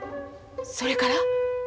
それから？